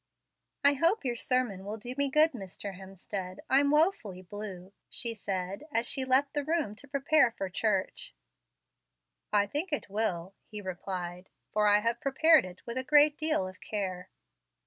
"I hope your sermon will do me good, Mr. Hemstead. I'm wofully blue," she said, as she left the room to prepare for church. "I think it will," he replied; "for I have prepared it with a great deal of care."